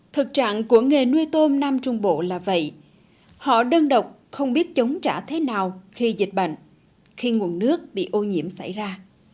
thực trạng của nghề nuôi tôm nam trung bộ là vậy họ đơn độc không biết chống trả thế nào khi dịch bệnh khi nguồn nước bị ô nhiễm xảy ra